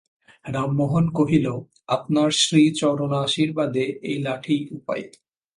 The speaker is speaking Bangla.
রামমোহন কহিল, আপনার শ্রীচরণাশীর্বাদে এই লাঠিই উপায়।